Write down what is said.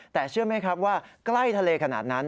แต่เชื่อไหมครับว่าใกล้ทะเลขนาดนั้น